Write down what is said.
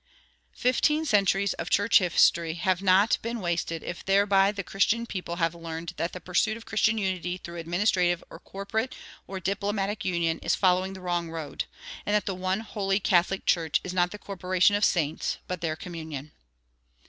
Fifteen centuries of church history have not been wasted if thereby the Christian people have learned that the pursuit of Christian unity through administrative or corporate or diplomatic union is following the wrong road, and that the one Holy Catholic Church is not the corporation of saints, but their communion.